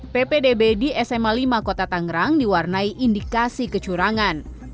ppdb di sma lima kota tangerang diwarnai indikasi kecurangan